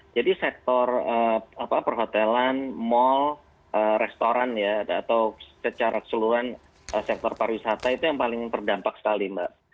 jadi sektor perhotelan mal restoran atau secara keseluruhan sektor pariwisata itu yang paling berdampak sekali mbak